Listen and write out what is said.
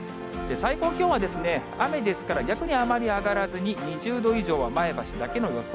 最高気温はですね、雨ですから、逆にあまり上がらずに２０度以上は前橋だけの予想。